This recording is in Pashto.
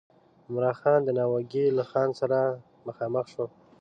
عمرا خان د ناوګي له خان سره مخامخ شو.